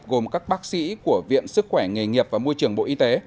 gồm các bác sĩ của viện sức khỏe nghề nghiệp và môi trường bộ y tế